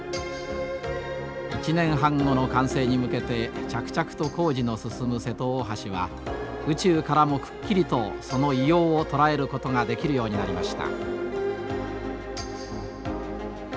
１年半後の完成に向けて着々と工事の進む瀬戸大橋は宇宙からもくっきりとその威容を捉えることができるようになりました。